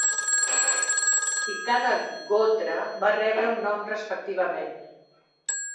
I cada gotra va rebre un nom respectivament.